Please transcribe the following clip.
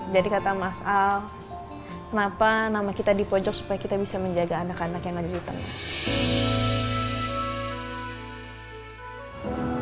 jadi kata mas al kenapa nama kita di pojok supaya kita bisa menjaga anak anak yang ada di tengah